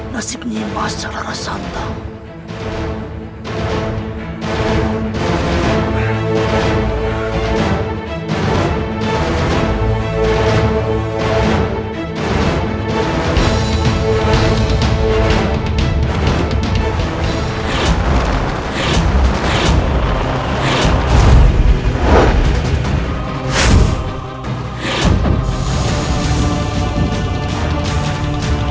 nasibnya emas secara santah